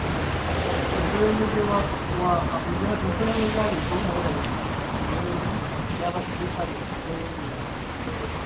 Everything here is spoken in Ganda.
Omukulembeze aliko mweraliikirivu ku muwendo gw'abasirikale ogweyongera mu kitundu